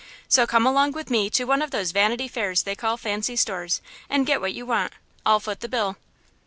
So come along with me to one of those Vanity Fairs they call fancy stores and get what you want; I'll foot the bill."